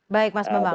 baik mas bambang